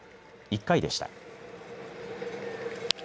１回でした。